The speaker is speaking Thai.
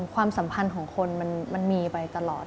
ความสัมพันธ์ของคนมันมีไปตลอด